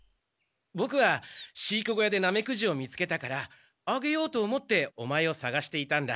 ボクは飼育小屋でナメクジを見つけたからあげようと思ってオマエをさがしていたんだ。